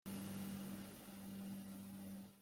Tellam temmehmhem.